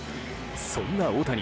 そんな大谷